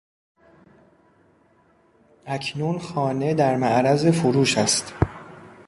اکنون خانه در معرض فروش است.